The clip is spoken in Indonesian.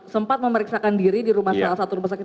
sempat memeriksakan diri di rumah sakit